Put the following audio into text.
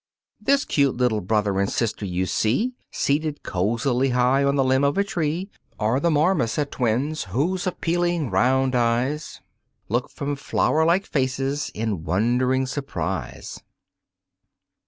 This cute little brother and sister you see Seated cosily high on the limb of a tree Are the Marmoset twins, whose appealing round eyes Look from flower like faces in wond'ring surprise.